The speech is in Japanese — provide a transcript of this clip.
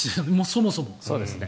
そもそも。